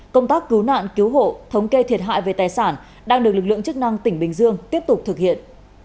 công tác cứu nạn cứu hộ thống kê thiệt hại về tài sản đang được lực lượng chức năng tỉnh bình dương tiếp tục thực hiện